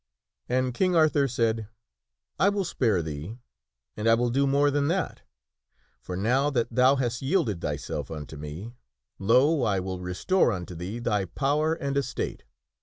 And King Arthur said, " I will spare thee and I will do more than that. For now that thou hast yielded thyself unto me, lo ! I will restore unto thee thy power and estate.